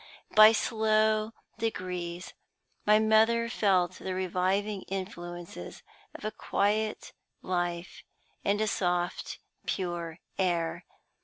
By slow degrees my mother felt the reviving influences of a quiet life and a soft, pure air.